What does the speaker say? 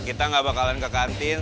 kita gak bakalan ke kantin